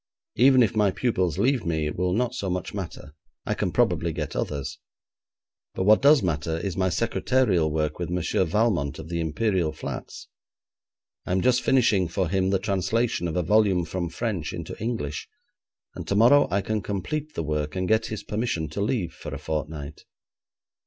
Even if my pupils leave me it will not so much matter. I can probably get others. But what does matter is my secretarial work with Monsieur Valmont of the Imperial Flats. I am just finishing for him the translation of a volume from French into English, and tomorrow I can complete the work, and get his permission to leave for a fortnight.